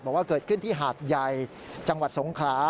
บอกว่าเกิดขึ้นที่หาดใหญ่จังหวัดสงขลา